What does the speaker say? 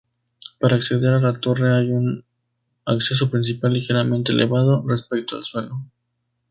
Para acceder a la torre hay un acceso principal ligeramente elevado respecto al suelo.